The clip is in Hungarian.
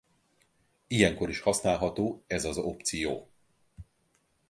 Ilyenkor is használható ez az opció.